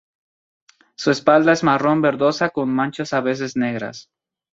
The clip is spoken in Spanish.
Su espalda es marrón verdosa con manchas a veces negras.